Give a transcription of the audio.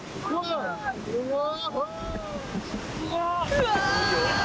うわ！